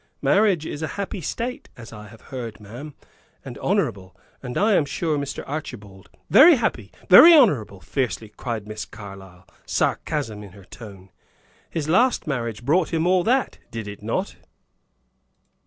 "Marriage is a happy state, as I have heard, ma'am, and honorable; and I am sure Mr. Archibald " "Very happy! Very honorable!" fiercely cried Miss Carlyle, sarcasm in her tone. "His last marriage brought him all that, did it not?"